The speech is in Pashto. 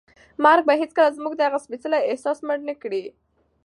مرګ به هیڅکله زموږ دغه سپېڅلی احساس مړ نه کړي.